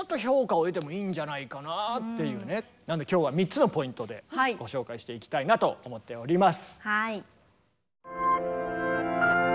今日は３つのポイントでご紹介していきたいなと思っております。